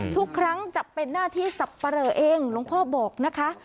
ทุกครั้งจะเป็นหน้าที่สับปะเหลอเองหลวงพ่อบอกนะคะ